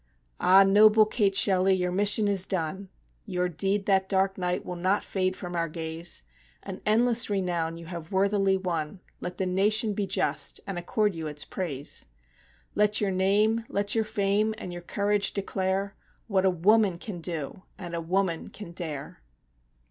Ah! noble Kate Shelly, your mission is done; Your deed that dark night will not fade from our gaze; An endless renown you have worthily won; Let the nation be just, and accord you its praise, Let your name, let your fame, and your courage declare What a woman can do, and a woman can dare!